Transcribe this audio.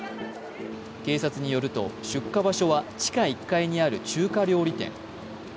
警察によると、出火場所は地下１階にある中華料理店。